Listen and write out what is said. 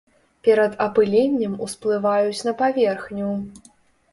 Перад апыленнем усплываюць на паверхню.